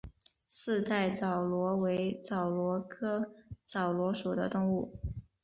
四带枣螺为枣螺科枣螺属的动物。